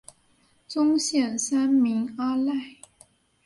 宗宪三名阿懒。